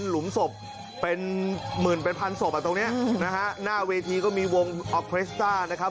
หลุมศพเป็นหมื่นเป็นพันศพอ่ะตรงเนี้ยนะฮะหน้าเวทีก็มีวงออเครสต้านะครับ